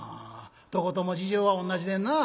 「どことも事情は同じでんな。